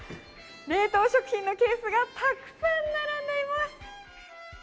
冷凍食品のケースがたくさん並んでいます。